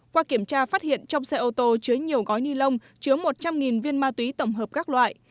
qua kiểm tra phát hiện trong xe ô tô chứa nhiều gói ni lông chứa một trăm linh viên ma túy tổng hợp các loại